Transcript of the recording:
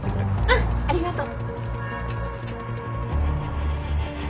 うんありがとう。